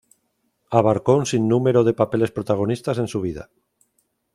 Abarcó un sinnúmero de papeles protagonistas en su vida.